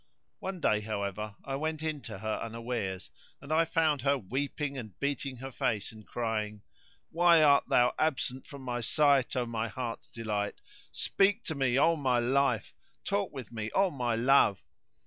One day, however, I went in to her unawares; and I found her weeping and beating her face and crying:—Why art thou absent from my sight, O my heart's delight? Speak to me, O my life; talk with me, O my love?